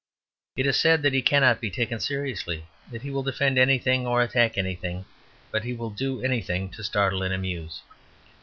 It is said that he cannot be taken seriously, that he will defend anything or attack anything, that he will do anything to startle and amuse.